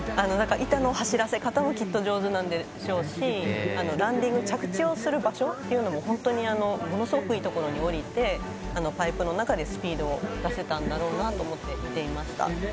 板の走らせ方もきっと上手なんでしょうしランディング、着地をする場所も本当にものすごくいいところに降りて、パイプの中でスピードを出せたんだろうなと思って見ていました。